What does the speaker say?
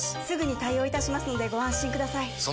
すぐに対応いたしますのでご安心ください